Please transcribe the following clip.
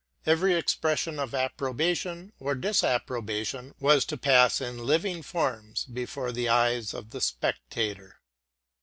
Every expression of ap probation or disapprobation was to pass in living forms before the eyes of the spectator.